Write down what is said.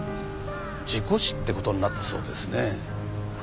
事故死って事になったそうですね。